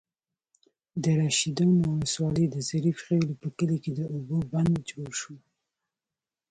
د رشيدانو ولسوالۍ، د ظریف خېلو په کلي کې د اوبو بند جوړ شو.